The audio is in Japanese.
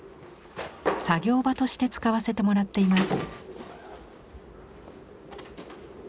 作業場として使わせてもらっています。